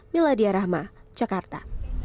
meladia rahma jakarta